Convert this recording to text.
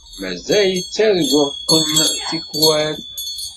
Mazal ttarguɣ-ken tikkal.